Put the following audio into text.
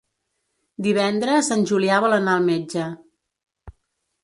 Divendres en Julià vol anar al metge.